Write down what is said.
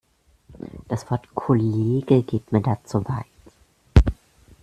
Das Wort Kollege geht mir da zu weit.